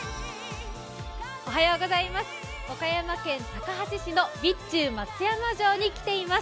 岡山県高梁市の備中松山城に来ています。